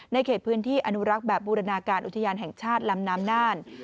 เขตพื้นที่อนุรักษ์แบบบูรณาการอุทยานแห่งชาติลำน้ำน่าน